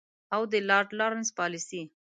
او د لارډ لارنس پالیسي.